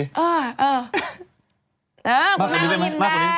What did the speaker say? เออมากกว่านี้ได้